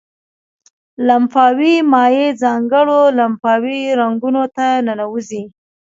لمفاوي مایع ځانګړو لمفاوي رګونو ته ننوزي.